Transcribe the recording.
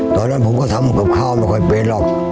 ตอนนั้นผมก็ทำกับข้าวไม่ค่อยเป็นหรอก